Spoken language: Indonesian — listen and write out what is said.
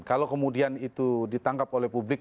kalau kemudian itu ditangkap oleh publik